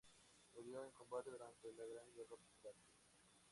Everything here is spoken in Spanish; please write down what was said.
Murió en combate durante la Gran Guerra Patria.